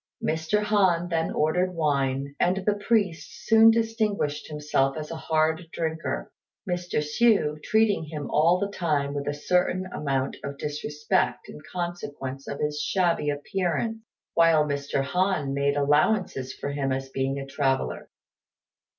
Mr. Han then ordered wine, and the priest soon distinguished himself as a hard drinker; Mr. Hsü treating him all the time with a certain amount of disrespect in consequence of his shabby appearance, while Mr. Han made allowances for him as being a traveller.